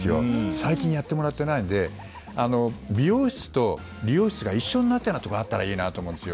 最近やってもらえてないので美容室と理容室が一緒になっているようなところがあったらいいなと思います。